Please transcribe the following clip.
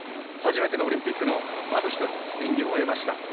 初めてのオリンピックまず一つ演技を終えました。